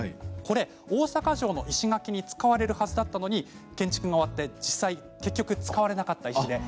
大坂城の石垣に使われるはずだったのに建築が終わって実際、結局使われなかった石です。